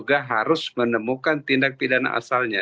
jadi juga harus menemukan tindak pidana asalnya